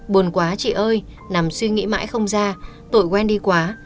buồn quá chị ơi nằm suy nghĩ mãi không ra tội quen đi quá